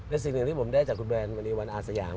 และสิ่งหนึ่งที่ผมได้จากคุณแรนดมณีวันอาสยาม